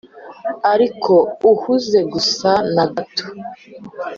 ariko uhuze gusa na gato,